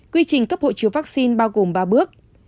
quy trình cấp hộ chiếu vaccine bao gồm ba bước